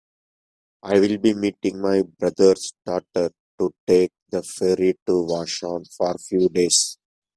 I will be meeting my brother's daughter to take the ferry to Vashon for a few days.